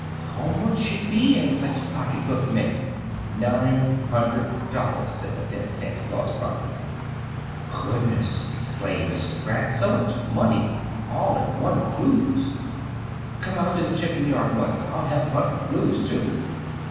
"How much should be in such a pocketbook, mebby?" "Nine hundred dollars," said the thin Santa Claus promptly. "Goodness!" exclaimed Mrs. Gratz. "So much money all in one cloos! Come out to the chicken yard once; I'll help hunt for cloos, too."